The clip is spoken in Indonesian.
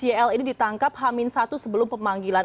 kenapa sel ini ditangkap hamin satu sebelum pemanggilan